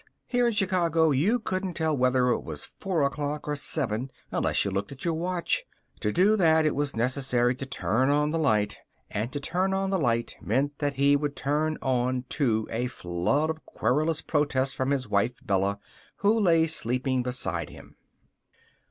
Here in Chicago you couldn't tell whether it was four o'clock or seven unless you looked at your watch. To do that it was necessary to turn on the light. And to turn on the light meant that he would turn on, too, a flood of querulous protest from his wife, Bella, who lay asleep beside him.